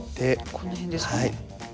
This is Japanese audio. この辺ですか。